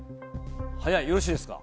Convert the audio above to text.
よろしいですか？